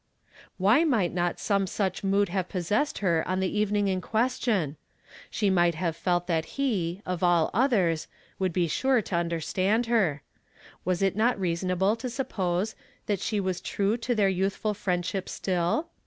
177 Why might not some such mood have possessed her on the evening in question ? She might liave felt that he, of all others, would be sure to under stand her. Was it not reasonable to suppose that she was true to their youthful friendship still?